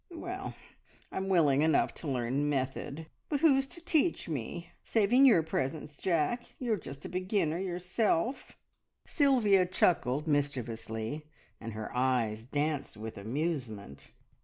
Well, I'm willing enough to learn method, but who's to teach me? Saving your presence, Jack, you're just a beginner yourself!" Sylvia chuckled mischievously, and her eyes danced with amusement.